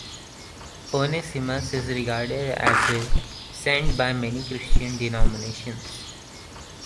Onesimus is regarded as a saint by many Christian denominations.